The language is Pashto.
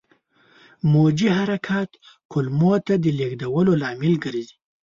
موجي حرکات کولمو ته د لېږدولو لامل ګرځي.